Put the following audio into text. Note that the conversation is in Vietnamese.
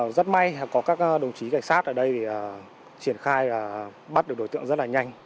rất may có các đồng chí cảnh sát ở đây triển khai và bắt được đối tượng rất là nhanh